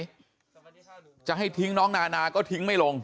เราอยากให้ทิ้งน้องนานาก็ทิ้งไม่ลง